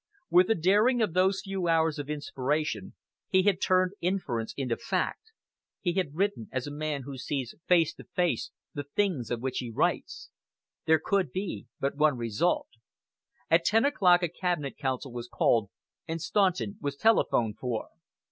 With the daring of those few hours of inspiration, he had turned inference into fact, he had written as a man who sees face to face the things of which he writes. There could be but one result. At ten o'clock a Cabinet Council was called, and Staunton was telephoned for.